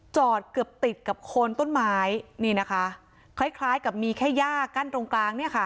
จอดเกือบติดกับโคนต้นไม้คล้ายกับมีแค่ยากกั้นตรงกลาง